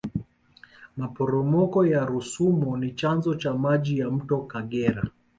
maporomoko ya rusumo ni chanzo cha maji ya mto kagera